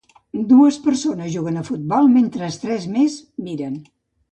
Dues persones juguen a futbol mentre tres més miren.